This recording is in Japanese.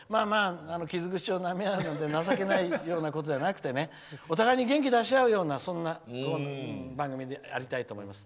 傷口をなめ合うなんて情けないことじゃなくてお互いに元気を出し合うようなそんな番組でありたいと思います。